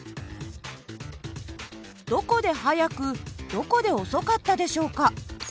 どこで速くどこで遅かったでしょうか？